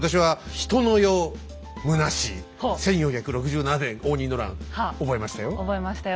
１４６７年応仁の乱覚えましたよ。